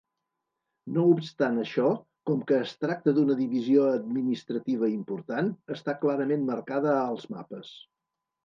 No obstant això, com que es tracta d'una divisió administrativa important, està clarament marcada als mapes.